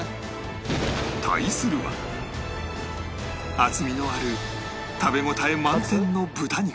厚みのある食べ応え満点の豚肉